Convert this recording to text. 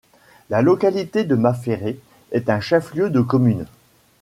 La localité de Maféré est un chef-lieu de commune.